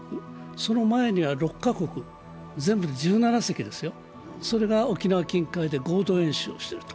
その前には６カ国、全部で１７隻ですよ、それが沖縄近海で合同演習していると。